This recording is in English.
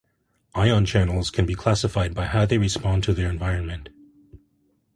Ion channels can be classified by how they respond to their environment.